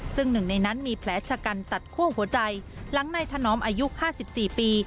ซึ่งหนึ่งในนั้นมีแผลชะกันตัดคั่วหัวใจหลังนายถนอมอายุ๕๔ปี